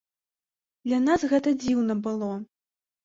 Для нас гэта дзіўна было.